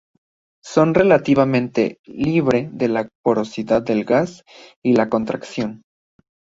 Son relativamente libre de la porosidad del gas y la contracción.